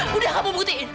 sudah kamu buktikan